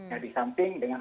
nah di samping dengan